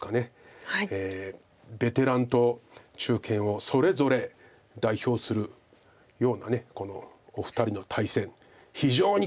ベテランと中堅をそれぞれ代表するようなこのお二人の対戦非常に興味深い。